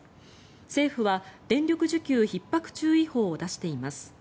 政府は電力需給ひっ迫注意報を出しています。